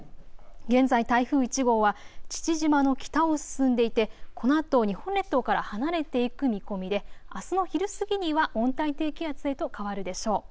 現在、台風１号は父島の北を進んでいてこのあと日本列島から離れていく見込みで、あすの昼過ぎには温帯低気圧へと変わるでしょう。